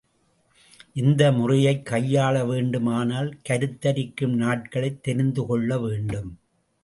இந்த முறையைக் கையாளவேண்டுமானால் கருத்தரிக்கும் நாட்களைத் தெரிந்துகொள்ள வேண்டும்.